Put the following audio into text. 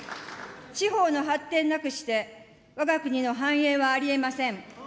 地方の発展なくして、わが国の繁栄はありえません。